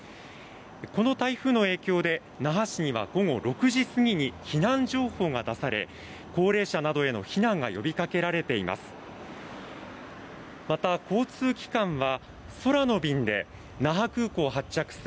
この台風の影響で那覇市には午後６時過ぎに避難情報が出され高齢者などへの避難が呼びかけられています。